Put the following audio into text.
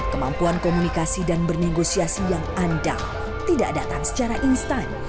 kemampuan komunikasi dan bernegosiasi yang andal tidak datang secara instan